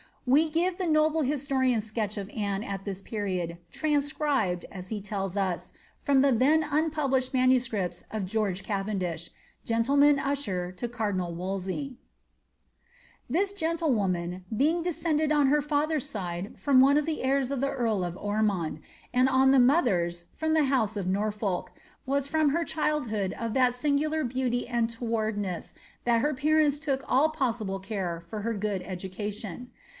We give the noble historian's sketch of Anne at this period, tran sciibed, as he tells us, from the then unpublished manuscripts of George CSiTeodish, gentleman usher to cardinal Wolsey :— ^This gentlewoman being descended on the Other's side from one of the heirs of the earl of Ormond, and on the mother's from the house of Noifolk, was from her childhood of that singular beauty and toward nea that her parents took all possible care for her good education.